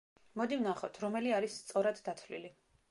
მოდი ვნახოთ, რომელი არის სწორად დათვლილი.